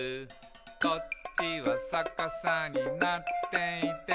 「こっちはさかさになっていて」